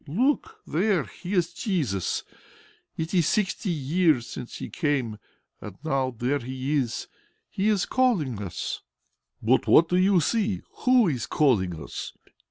"Look! There He is Jesus! It is sixty years since He came, and now there He is. He is calling us!" "But what do you see? Who is calling us?"